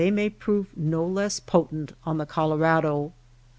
may prove no less potent on the Colorado.